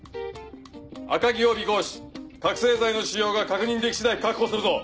赤城を尾行し覚醒剤の使用が確認でき次第確保するぞ。